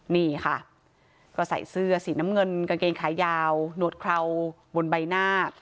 นี่ค่ะก็ใส่เสื้อสีน้ำเงินกางเกงขายาวหนวดเคราบนใบหน้า